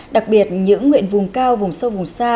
đặc biệt những nguyện vùng cao vùng sâu vùng xa